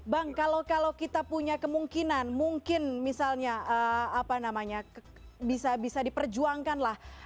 bang kalau kita punya kemungkinan mungkin misalnya apa namanya bisa diperjuangkan lah